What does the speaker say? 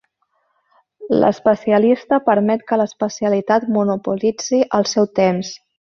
L'especialista permet que l'especialitat monopolitzi el seu temps.